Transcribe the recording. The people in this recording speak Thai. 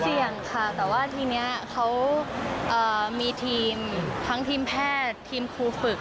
เสี่ยงค่ะแต่ว่าทีนี้เขามีทีมทั้งทีมแพทย์ทีมครูฝึก